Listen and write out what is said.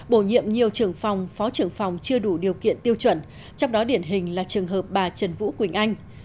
bổ nhiệm nhiều trưởng phòng phó trưởng phòng chưa đủ điều kiện tiêu chuẩn trong đó điển hình là trường hợp bà trần vũ quỳnh anh